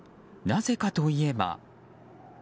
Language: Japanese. なぜかといえば。